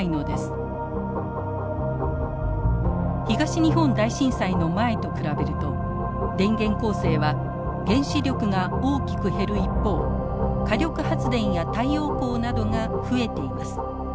東日本大震災の前と比べると電源構成は原子力が大きく減る一方火力発電や太陽光などが増えています。